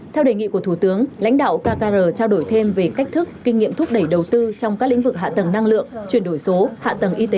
theo đề nghị của thủ tướng lãnh đạo kcr trao đổi thêm về cách thức kinh nghiệm thúc đẩy đầu tư trong các lĩnh vực hạ tầng năng lượng chuyển đổi số hạ tầng y tế